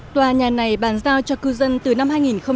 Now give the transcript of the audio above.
tòa nhà này bàn giao cho cư dân từ năm hai nghìn một mươi